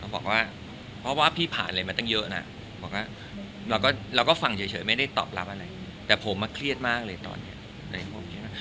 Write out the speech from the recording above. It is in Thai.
บอกว่าเพราะว่าพี่ผ่านอะไรมาตั้งเยอะนะบอกว่าเราก็ฟังเฉยไม่ได้ตอบรับอะไรแต่ผมมาเครียดมากเลยตอนนี้อะไรพวกนี้